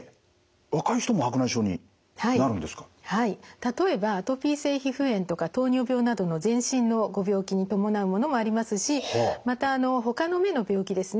例えばアトピー性皮膚炎とか糖尿病などの全身のご病気に伴うものもありますしまたほかの目の病気ですね